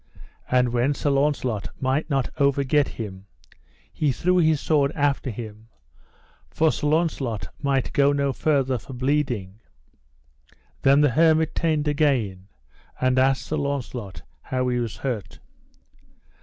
And when Sir Launcelot might not overget him, he threw his sword after him, for Sir Launcelot might go no further for bleeding; then the hermit turned again, and asked Sir Launcelot how he was hurt.